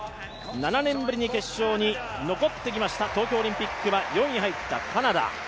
７年ぶりに決勝に残ってきました、東京オリンピックは４位に入ったカナダ。